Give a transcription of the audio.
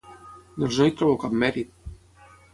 Doncs no hi trobo cap mèrit.